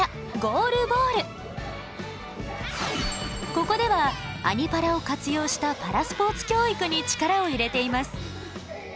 ここでは「アニ×パラ」を活用したパラスポーツ教育に力を入れています。